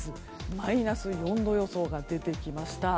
マイナス４度予想が出てきました。